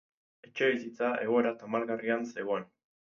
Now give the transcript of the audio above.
Etxebizitza egoera tamalgarrian zegoen.